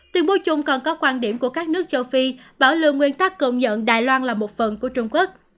tuyên bố chung còn có quan điểm của các nước châu phi bảo lưu nguyên tắc công nhận đài loan là một phần của trung quốc